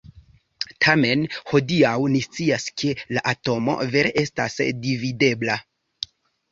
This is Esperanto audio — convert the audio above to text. Tamen, hodiaŭ ni scias ke la atomo vere estas dividebla.